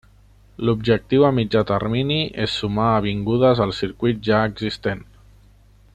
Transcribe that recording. L'objectiu a mitjà termini és sumar avingudes al circuit ja existent.